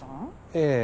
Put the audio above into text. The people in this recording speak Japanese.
ええ。